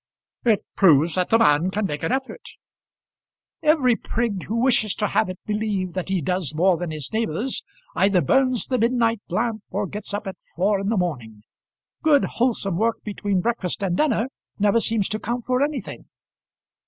"It proves that the man can make an effort." "Every prig who wishes to have it believed that he does more than his neighbours either burns the midnight lamp or gets up at four in the morning. Good wholesome work between breakfast and dinner never seems to count for anything."